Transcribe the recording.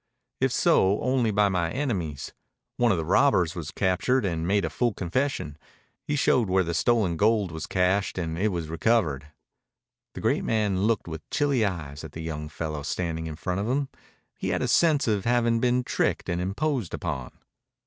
"If so, only by my enemies. One of the robbers was captured and made a full confession. He showed where the stolen gold was cached and it was recovered." The great man looked with chilly eyes at the young fellow standing in front of him. He had a sense of having been tricked and imposed upon.